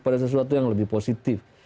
pada sesuatu yang lebih positif